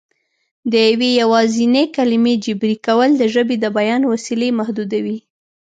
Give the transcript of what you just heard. د یوې یوازینۍ کلمې جبري کول د ژبې د بیان وسیلې محدودوي